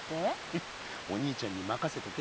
フッお兄ちゃんにまかせとけって。